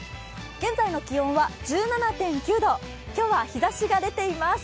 現在の気温は１７．９度、今日は日ざしが出ています。